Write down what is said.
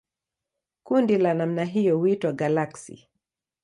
Kundi la namna hiyo huitwa galaksi.